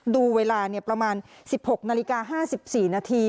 ดูเวลาประมาณ๑๖นาฬิกา๕๔นาที